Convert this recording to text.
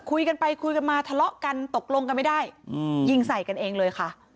คุยกันไปคุยกันมาทะเลาะกันตกลงกันไม่ได้ยิงใส่กันเองเลยค่ะ